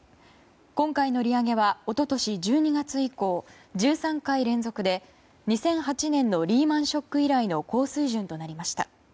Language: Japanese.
今回の利上げは一昨年１２月以降１３回連続で２００８年のリーマン・ショック以来の高水準となりました。